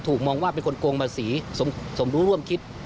ถูกมองว่าเป็นคนโครงประสีสมรู้ร่วมคิด